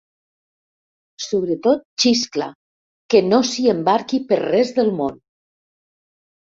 Sobretot, xiscla, que no s'hi embarqui per res del món.